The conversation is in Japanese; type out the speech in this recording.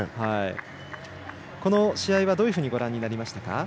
この試合はどうご覧になりましたか？